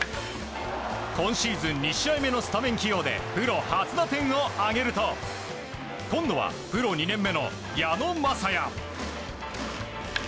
今シーズン２試合目のスタメン起用でプロ初打点を挙げると今度はプロ２年目の矢野雅哉。